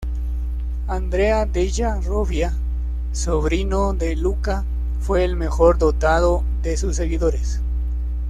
Andrea della Robbia, sobrino de Luca, fue el mejor dotado de sus seguidores.